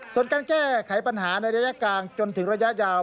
ส่วนการแก้ไขปัญหาในระยะกลางจนถึงระยะยาว